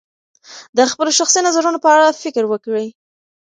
د خپلو شخصي نظرونو په اړه فکر وکړئ.